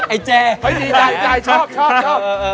ไอ้แจ่เห็นตัวให้เยี่ยมเลยเสิบเสิบ